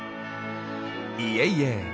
いえいえ。